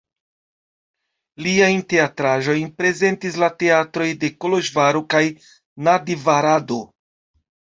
Liajn teatraĵojn prezentis la teatroj de Koloĵvaro kaj Nadjvarado.